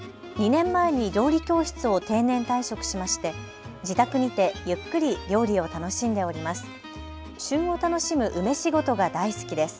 ２年前に料理教室を定年退職しまして、自宅にてゆっくり料理を楽しんでおります。